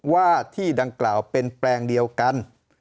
ว่าที่ดังกล่าวเป็นแปลงเดียวกัน